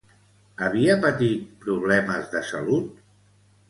Havia patit problemes de salut?